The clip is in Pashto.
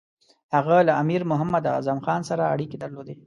هغه له امیر محمد اعظم خان سره اړیکې درلودې.